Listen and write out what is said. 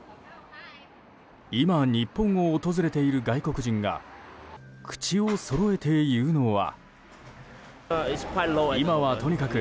今、日本を訪れている外国人が口をそろえて言うのは。